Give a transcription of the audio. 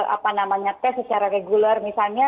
apa namanya tes secara reguler misalnya